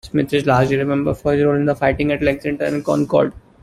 Smith is largely remembered for his role in the fighting at Lexington and Concord.